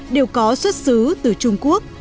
đều có xuất xứ từ trung quốc